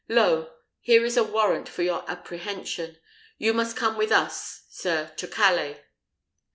Lo, here is the warrant for your apprehension. You must come with us, sir, to Calais."